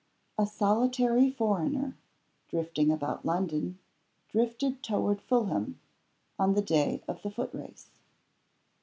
A SOLITARY foreigner, drifting about London, drifted toward Fulham on the day of the Foot Race.